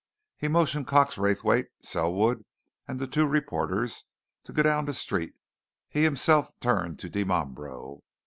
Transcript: He motioned Cox Raythwaite, Selwood, and the two reporters to go down the street; he himself turned to Dimambro.